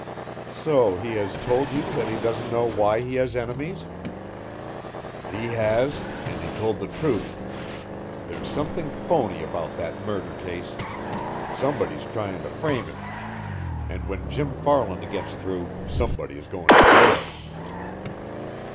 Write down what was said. "So he has told you that he doesn't know why he has enemies?" "He has and he told the truth. There's something phony about that murder case; somebody's tryin' to frame him. And when Jim Farland gets through, somebody is goin' to jail!"